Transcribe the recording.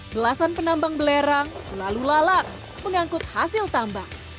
belasan penambang belerang lalu lalang mengangkut hasil tambang